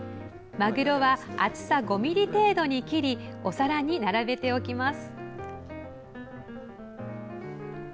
まぐろは厚さ５ｍｍ程度に切りお皿に並べておきます。